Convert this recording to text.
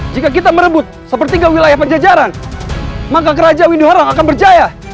jika kita merebut seperti wilayah penjajaran maka kerajaan windu haram akan berjaya